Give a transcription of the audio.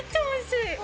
おいしい！